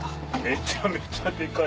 めちゃめちゃデカい。